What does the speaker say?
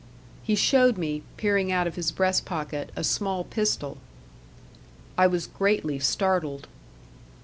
He showed me, peering out of his breast pocket, a small pistol. I was greatly startled.